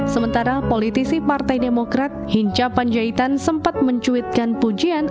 sementara politisi partai demokrat hinca panjaitan sempat mencuitkan pujian